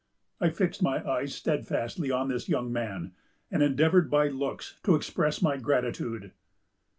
I fixed my eyes steadfastly on this young man, and endeavored by looks to express my gratitude."